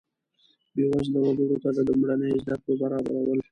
بیوزله وګړو ته د لومړنیو زده کړو برابرول.